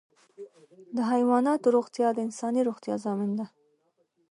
د حیواناتو روغتیا د انساني روغتیا ضامن ده.